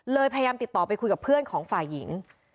พยายามติดต่อไปคุยกับเพื่อนของฝ่ายหญิง